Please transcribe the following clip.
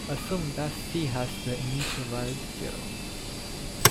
Assume that "c" has the initial value zero.